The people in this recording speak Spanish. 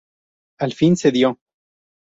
Al fin cedió.